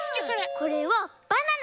これはバナナ。